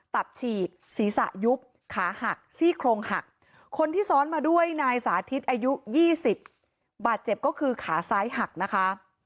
ตับฉีกศีรษะยุบขาหักซี่โครงหักคนที่ซ้อนมาด้วยนายสาธิตอายุ๒๐บาดเจ็บก็คือขาซ้ายหักนะคะ